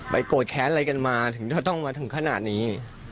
โกรธแค้นอะไรกันมาถึงจะต้องมาถึงขนาดนี้